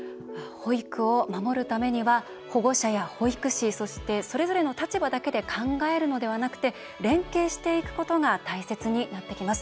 保育を守るためには保護者や保育士、そしてそれぞれの立場だけで考えるのではなくて連携していくことが大切になってきます。